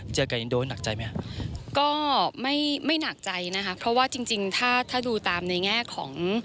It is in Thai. เจอกับอินโดนหนักใจไหมก็ไม่ไม่หนักใจนะคะเพราะว่าจริงจริงถ้าถ้าดูตามในแง่ของ